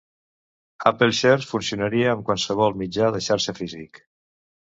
AppleShare funcionaria amb qualsevol mitjà de xarxa físic.